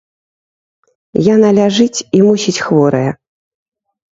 Яна ляжыць і, мусіць, хворая.